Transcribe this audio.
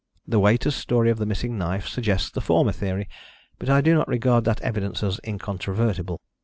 The waiter's story of the missing knife suggests the former theory, but I do not regard that evidence as incontrovertible.